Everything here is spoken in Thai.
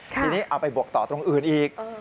ทีนี้เอาไปบวกต่อตรงอื่นอีก